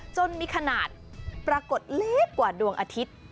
จนมีขนาดปรากฏเล็กกว่าดวงอาทิตย์